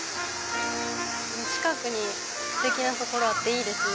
近くにステキな所あっていいですね。